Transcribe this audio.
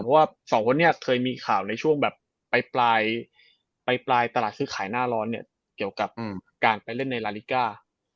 เพราะว่าสองคนนี้เคยมีข่าวในช่วงแบบปลายตลาดซื้อขายหน้าร้อนเนี่ยเกี่ยวกับการไปเล่นในลาลิก้า